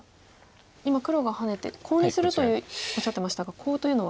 今黒がハネてコウにするとおっしゃってましたがコウというのは。